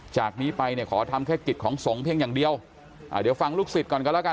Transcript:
จากนี้ไปเนี่ยขอทำแค่กิจของสงฆ์เพียงอย่างเดียวอ่าเดี๋ยวฟังลูกศิษย์ก่อนกันแล้วกัน